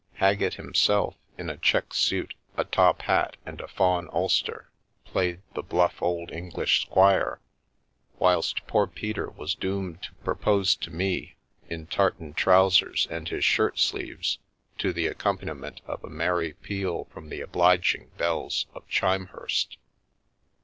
Haggett him self, in a check suit, a top hat, and a fawn ulster, played the bluff old English squire, whilst poor Peter was doomed to propose to me in tartan trousers and his shirt sleeves, to the accompaniment of a merry peal from the obliging bells of Chimehurst.